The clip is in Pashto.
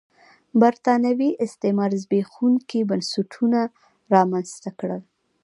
برېټانوي استعمار زبېښونکي بنسټونه رامنځته کړل.